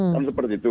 kan seperti itu